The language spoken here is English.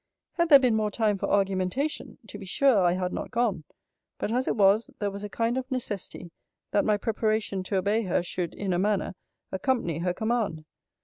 Had there been more time for argumentation, to be sure I had not gone; but as it was, there was a kind of necessity that my preparation to obey her, should, in a manner, accompany her command.